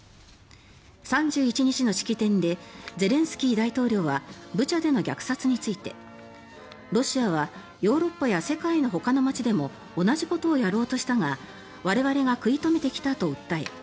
３１日の式典でゼレンスキー大統領はブチャでの虐殺についてロシアはヨーロッパや世界のほかの街でも同じことをやろうとしたが我々が食い止めてきたと訴え